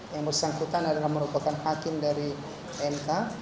yang bersangkutan adalah merupakan hakim dari mk